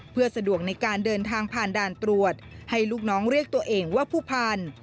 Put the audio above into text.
เพื่อสะดวกในการเดินทางผ่านด่านตรวจให้ลูกน้องเรียกตัวเองว่าผู้พันธุ์